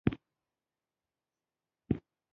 زه اوس ستړی یم